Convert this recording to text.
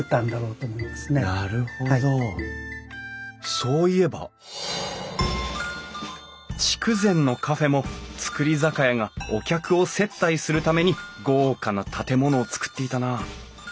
そういえば筑前のカフェも造り酒屋がお客を接待するために豪華な建物を造っていたな。